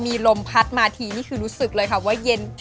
มีลมพัดมาทีนี่คือรู้สึกเลยค่ะว่าเย็น